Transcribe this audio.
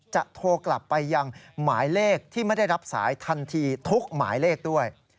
จะโทรกลับไปยังหมายเลขที่ไม่ได้รับสายทันทีทุกหมายเลขด้วย